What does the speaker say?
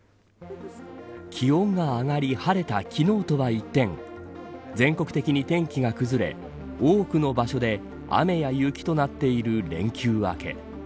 気温が上がり晴れた昨日とは一転全国的に天気が崩れ多くの場所で雨や雪となっている連休明け。